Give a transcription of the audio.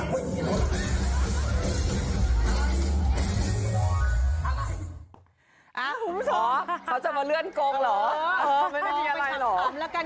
มีคำถามละกัน